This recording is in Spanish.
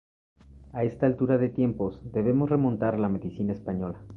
A esta altura de tiempos debemos remontar la medicina española.